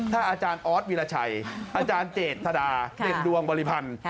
ถ้าอาจารย์ออสวิราชัยอาจารย์เจดธรรดาเจ็ดดวงบริพันธุ์